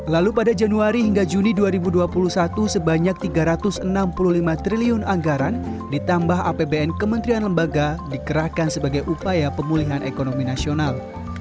lalu pada januari hingga juni dua ribu dua puluh satu sebanyak tiga ratus enam puluh lima triliun anggaran ditambah apbn kementerian lembaga dikerahkan sebagai upaya pemulihan ekonomi nasional